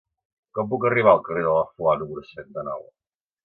Com puc arribar al carrer de la Flor número seixanta-nou?